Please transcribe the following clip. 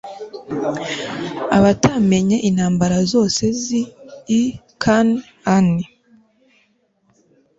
abatamenye intambara zose z i kan ani